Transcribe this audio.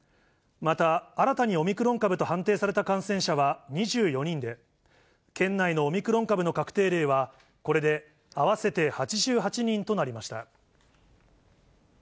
また、新たにオミクロン株と判定された感染者は２４人で、県内のオミクロン株の確定例はこれで合わせて８８人となりました。